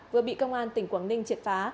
vừa bị công an tỉnh quảng ninh triệt phá